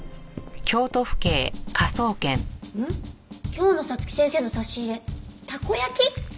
今日の早月先生の差し入れたこ焼き？